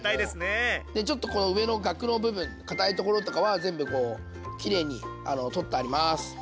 ちょっと上のガクの部分かたいところとかは全部こうきれいに取ってあります。